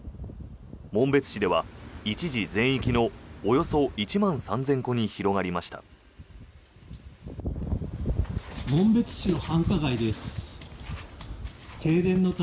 紋別市では一時全域のおよそ１万３０００戸に広がりました。